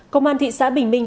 công an thị xã bình minh